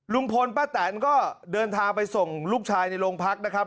ลุงพลป้าแตนก็เดินทางไปส่งลูกชายในโรงพักนะครับ